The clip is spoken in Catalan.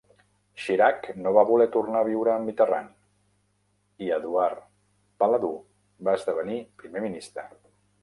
Chirac no va voler tornar a viure amb Mitterrand, i Edouard Balladur va esdevenir primer ministre.